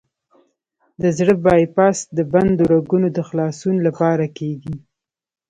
د زړه بای پاس د بندو رګونو د خلاصون لپاره کېږي.